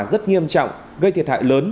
rất nghiêm trọng gây thiệt hại lớn